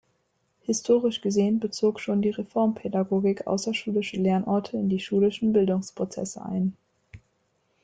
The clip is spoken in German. Historisch gesehen bezog schon die Reformpädagogik außerschulische Lernorte in die schulischen Bildungsprozesse ein.